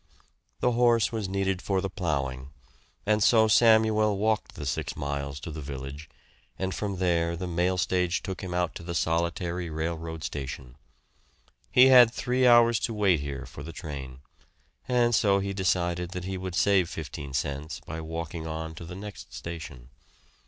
The horse was needed for the plowing, and so Samuel walked the six miles to the village, and from there the mail stage took him out to the solitary railroad station. He had three hours to wait here for the train, and so he decided that he would save fifteen cents by walking on to the next station.